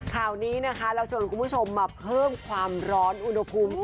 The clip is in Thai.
ข่าวนี้นะคะเราชวนคุณผู้ชมมาเพิ่มความร้อนอุณหภูมิ